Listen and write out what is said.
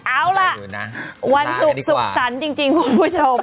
เอาล่ะวันศุกร์สุขสรรค์จริงคุณผู้ชม